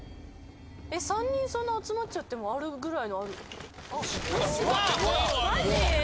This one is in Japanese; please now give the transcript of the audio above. ３人そんな集まっちゃってもあるくらい。